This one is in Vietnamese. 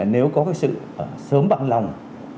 nếu có sự sớm bằng lòng